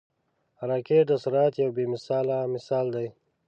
راکټ د سرعت یو بې مثاله مثال دی